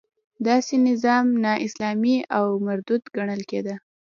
داسې نظام نا اسلامي او مردود ګڼل کېده.